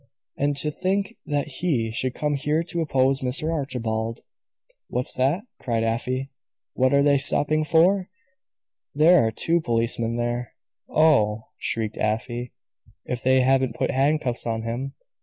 "And to think that he should come here to oppose Mr. Archibald!" "What's that?" cried Afy. "What are they stopping for? There are two policemen there! Oh!" shrieked Afy, "if they haven't put handcuffs on him!